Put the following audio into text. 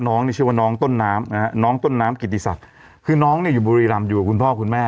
น้องนี่ชื่อว่าน้องต้นน้ำนะฮะน้องต้นน้ำกิติศักดิ์คือน้องเนี่ยอยู่บุรีรำอยู่กับคุณพ่อคุณแม่